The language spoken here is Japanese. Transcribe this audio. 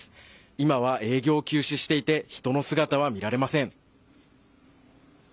今は営業休止していて人の姿は見られません。